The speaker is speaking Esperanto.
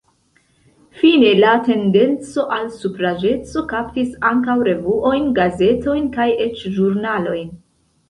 Fine la tendenco al supraĵeco kaptis ankaŭ revuojn, gazetojn kaj eĉ ĵurnalojn.